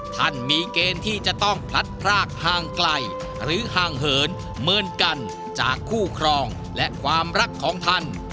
ท่านมีเกณฑ์ที่จะต้องพลัดพรากห่างไกลหรือห่างเหินเหมือนกันจากคู่ครองและความรักของท่าน